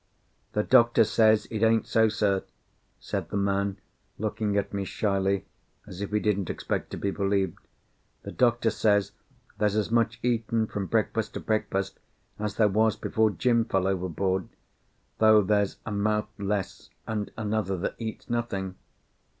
"The doctor says it ain't so, sir," said the man, looking at me shyly, as if he didn't expect to be believed; "the doctor says there's as much eaten from breakfast to breakfast as there was before Jim fell overboard, though there's a mouth less and another that eats nothing.